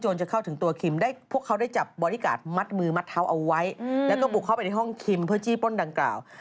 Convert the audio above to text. รู้หมดเลยทุกอย่างเลย